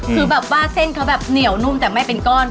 คือแบบว่าเส้นเขาแบบเหนียวนุ่มแต่ไม่เป็นก้อน